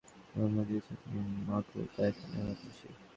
জন্ম দিয়েছ তুমি মাগো, তাই তোমায় ভালোবাসি।